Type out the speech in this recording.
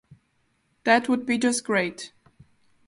That would be just great.